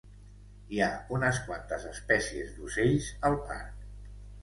Hi ha unes quantes espècies d'ocells al parc.